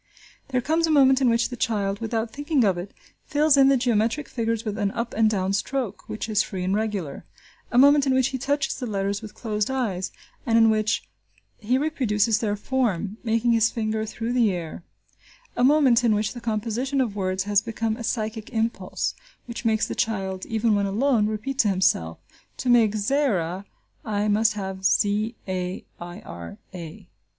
There comes a moment in which the child, without thinking of it, fills in the geometric figures with an up and down stroke, which is free and regular; a moment in which he touches the letters with closed eyes, and in which he reproduces their form, moving his finger through the air; a moment in which the composition of words has become a psychic impulse, which makes the child, even when alone, repeat to himself "To make Zaira I must have z a i r a."